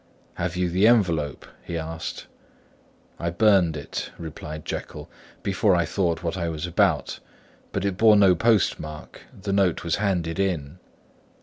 "Have you the envelope?" he asked. "I burned it," replied Jekyll, "before I thought what I was about. But it bore no postmark. The note was handed in."